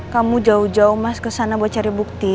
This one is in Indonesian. kamu jauh jauh mas ke sana buat cari bukti